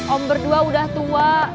om berdua udah tua